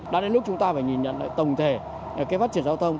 đã đến lúc chúng ta phải nhìn nhận lại tổng thể cái phát triển giao thông